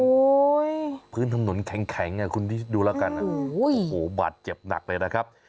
โอ้โหพื้นถนนแข็งอ่ะคุณคิดดูแล้วกันโอ้โหบาดเจ็บหนักเลยนะครับ